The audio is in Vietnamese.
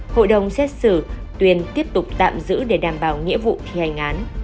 hội đồng xét xử tuyên tiếp tục tạm giữ để đảm bảo nghĩa vụ thi hành án